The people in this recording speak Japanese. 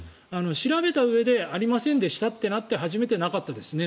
調べたうえでありませんでしたとなって初めてなかったですね